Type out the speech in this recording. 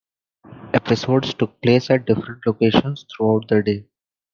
Episodes took place at different locations throughout the day.